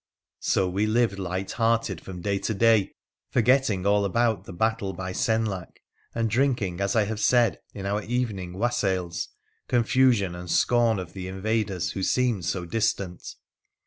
So we lived light hearted from day to day, forgetting all about the battle by Senlac, and drinking, as I have said, in our evening wassails confusion and scorn of the invaders who Beemed so distant.